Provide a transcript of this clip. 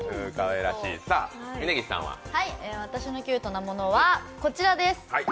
私のキュートなものはこちらです。